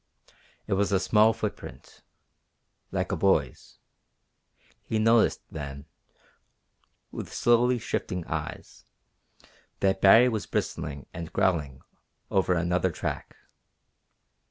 It was a small footprint. Like a boy's. He noticed, then, with slowly shifting eyes, that Baree was bristling and growling over another track.